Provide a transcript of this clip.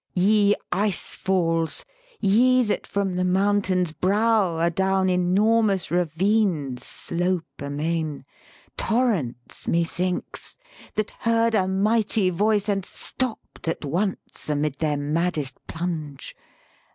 Ye ice falls! ye that from the mountain's brow Adown enormous ravines slope amain Torrents, methinks, that heard a mighty voice, And stopped at once amid their maddest plunge